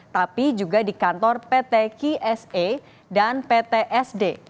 tapi juga di kantor pt qse dan pt sd